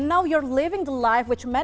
dan sekarang anda menghabiskan kehidupan